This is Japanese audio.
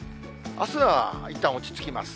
あすはいったん落ち着きます。